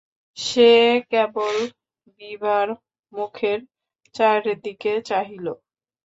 সে কেবল বিভার মুখের দিকে চাহিল!